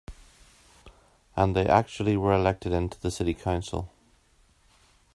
And they actually were elected into the city council.